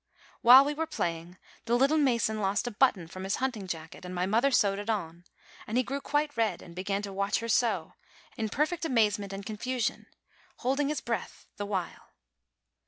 While we were playing, the little mason lost a button from his hunting jacket, and my mother sewed it on, and he grew quite red, and began to watch her sew, in perfect amazement and confusion, holding his breath the while.